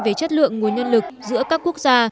về chất lượng nguồn nhân lực giữa các quốc gia